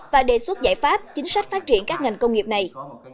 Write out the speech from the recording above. và đề xuất giải pháp chính sách phát triển các ngành công nghiệp này